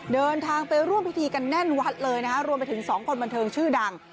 เดินทางไปร่วมพิธีกันแน่นวัดเลยนะคะรวมไปถึงสองคนบันเทิงชื่อดัง